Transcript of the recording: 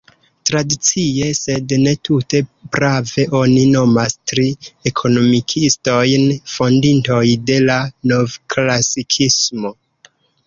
Tradicie, sed ne tute prave, oni nomas tri ekonomikistojn fondintoj de la novklasikismo.